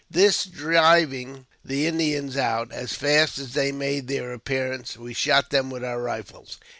This driving the Indians out, as fast as they made their appearance we shot them with our rifles.